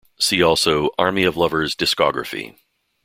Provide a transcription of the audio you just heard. See also Army Of Lovers discography.